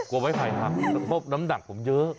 กลัวไม่ไหวสมมุติน้ำหนักผมเยอะ